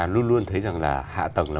luôn luôn thấy rằng là hạ tầng là